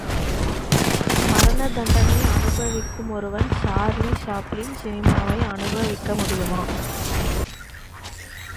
மரண தண்டனை அனுபவிக்கும் ஒருவன் சார்லி சாப்ளின் சினிமாவை அனுபவிக்க முடியுமா?